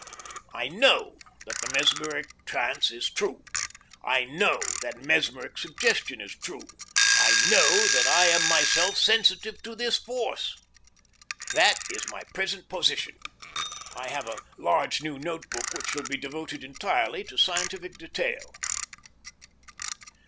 I KNOW that the mesmeric trance is true; I KNOW that mesmeric suggestion is true; I KNOW that I am myself sensitive to this force. That is my present position. I have a large new note book which shall be devoted entirely to scientific detail.